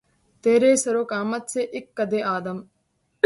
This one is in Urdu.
تیرے سرو قامت سے، اک قّدِ آدم